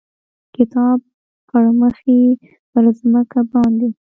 کتاب پړمخې پر مځکه باندې،